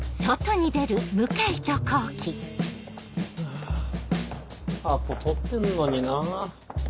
ハァアポ取ってんのになぁ。